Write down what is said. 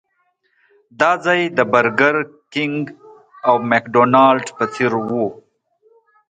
دا ځای د برګر کېنګ او مکډانلډ په څېر و.